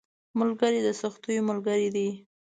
ملګری د سختیو ملګری دی